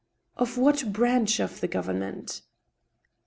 " Of what branch of the government